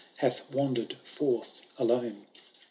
Hath wandered forth alone.